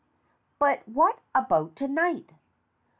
But what about to night?"